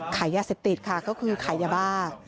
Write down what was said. ขายยาเสพติดค่ะก็คือขายยาบ้า